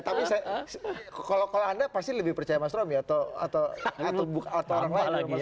tapi kalau anda pasti lebih percaya mas romy atau orang lain